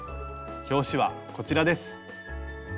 表紙はこちらです。